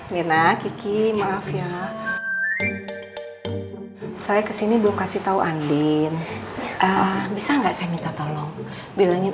mirna kiki maaf ya saya kesini belum kasih tahu andin bisa enggak saya minta tolong bilangin